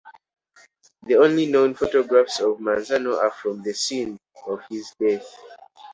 The only known photographs of Maranzano are from the scene of his death.